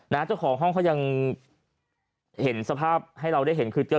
เจ้าของห้องเขายังเห็นสภาพให้เราได้เห็นคือเจอ